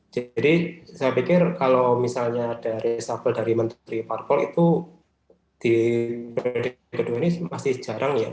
jadi saya pikir kalau misalnya ada resafel dari menteri parpo itu di proyek kedua ini masih jarang ya